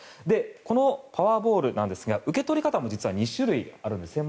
このパワーボールなんですが受け取り方も２種類あるんですね。